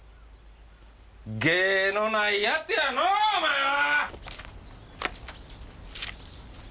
芸のない奴やのうお前は！